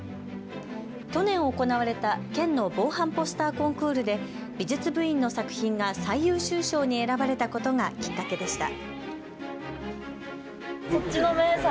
去年行われた県の防犯ポスターコンクールで美術部員の作品が最優秀賞に選ばれたことがきっかけでした。